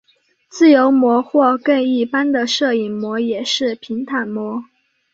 自由模或更一般的射影模也是平坦模。